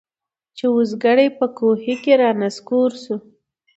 چي اوزګړی په کوهي کي را نسکور سو